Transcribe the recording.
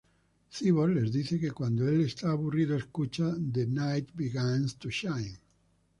Cyborg les dice que cuando el esta aburrido, escucha "The Night Begins To Shine.